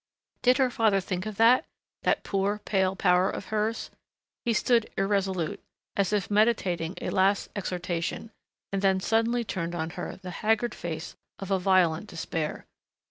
Did her father think of that, that poor, pale power of hers? He stood irresolute, as if meditating a last exhortation, and then suddenly turned on her the haggard face of a violent despair.